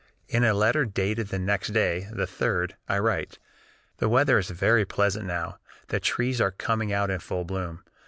In a letter dated the next day, the 3d, I write: "The weather is very pleasant now. The trees are coming out in full bloom.